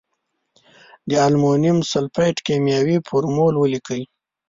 د المونیم سلفیټ کیمیاوي فورمول ولیکئ.